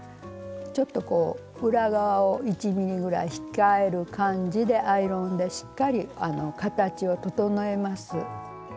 ちょっとこう裏側を１ｍｍぐらい控える感じでアイロンでしっかり形を整えます。